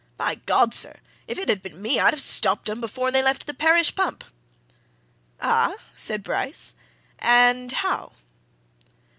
By God, sir, if it had been me, I'd have stopped 'em! before they left the parish pump!" "Ah?" said Bryce. "And how?"